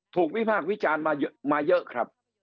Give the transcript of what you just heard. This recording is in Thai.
ถูกวิมากวิจารณ์มาเยอะครับ